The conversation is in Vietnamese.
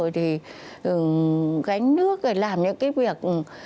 thì gánh nước rồi làm những cái việc